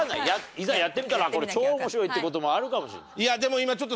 いざやってみたらこれ超面白いっていう事もあるかもしれない。